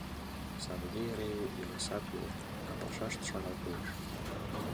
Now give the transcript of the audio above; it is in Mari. Садыге эре йыҥысат веле, а пашашт шагал коеш.